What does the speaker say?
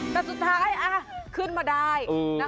แต่สุดท้ายขึ้นมาได้